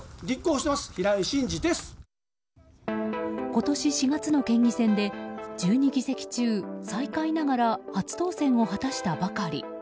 今年４月の県議選で１２議席中最下位ながら初当選を果たしたばかり。